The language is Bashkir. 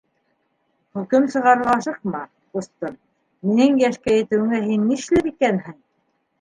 Хөкөм сығарырға ашыҡма, ҡустым: минең йәшкә етеүеңә һин нишләр икәнһең?